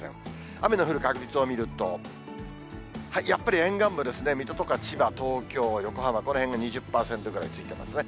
雨の降る確率を見ると、やっぱり沿岸部ですね、水戸とか千葉、東京、横浜、このへんが２０％ぐらいついてますね。